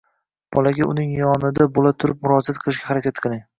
Bolaga uning yonida bo‘la turib murojaat qilishga harakat qiling.